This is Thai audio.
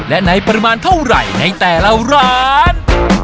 และในปริมาณเท่าไหร่ในแต่ละร้าน